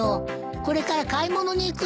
これから買い物に行くのよ。